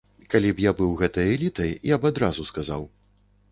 Калі б я быў гэтай элітай, я б адразу сказаў.